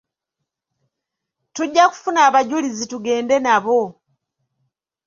Tujja kufuna abajulizi tugende nabo.